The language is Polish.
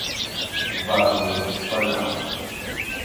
Uważam, że to wspaniałe